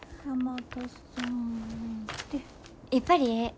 やっぱりええ。